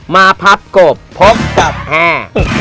มาพับกบพบกับแอร์